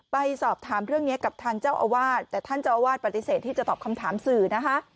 ไปสอบถามเรื่องนี้กับทางเจ้าอาวาสแต่ท่านเจ้าอาวาสปฏิเสธที่จะตอบคำถามสื่อนะคะ